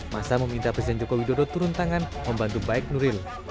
masa meminta presiden joko widodo turun tangan membantu baik nuril